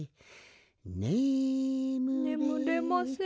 「ねむれ」ねむれません。